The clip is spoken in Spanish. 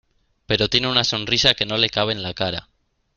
pero tiene una sonrisa que no le cabe en la cara.